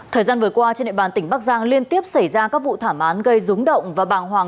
thời gian vừa qua trên địa bàn tỉnh bắc giang liên tiếp xảy ra các vụ thảm án gây rúng động và bàng hoàng